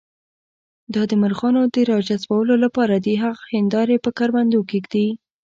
دا د مرغانو د راجذبولو لپاره دي، دغه هندارې په کروندو کې ږدي.